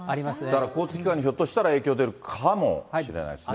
だから交通機関に、ひょっとしたら影響出るかもしれないですね。